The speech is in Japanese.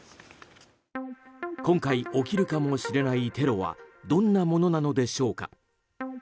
今回起きるかもしれないテロはどんなものなのでしょうか。